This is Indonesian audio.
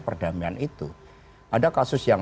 perdamaian itu ada kasus yang